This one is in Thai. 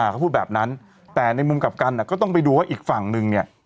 เขาพูดแบบนั้นแต่ในมุมกลับกันก็ต้องไปดูว่าอีกฝั่งนึงเนี่ย